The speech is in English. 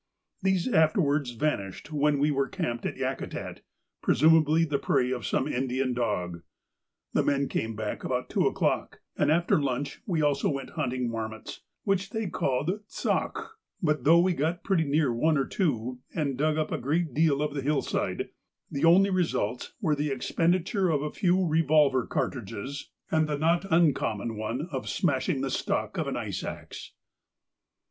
These afterwards vanished when we were camped at Yakutat, presumably the prey of some Indian dog. The men came back about two o'clock, and after lunch we also went hunting marmots, which they called tsahkh; but though we got pretty near one or two, and dug up a great deal of the hill side, the only results were the expenditure of a few revolver cartridges and the not uncommon one of smashing the stock of an ice axe.